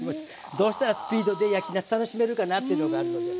どうしたらスピードで焼きなす楽しめるかなっていうのがあるので。